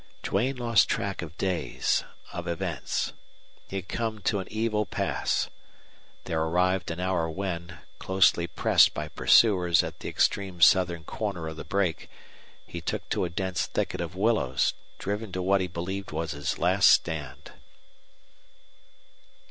Duane lost track of days, of events. He had come to an evil pass. There arrived an hour when, closely pressed by pursuers at the extreme southern corner of the brake, he took to a dense thicket of willows, driven to what he believed was his last stand.